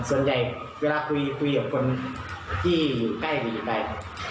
ส่วนใหญ่เวลาคุยคุยกับคนที่ใกล้อยู่ไหน